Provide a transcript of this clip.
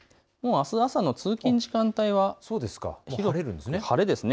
あす朝の通勤時間帯は広く晴れですね。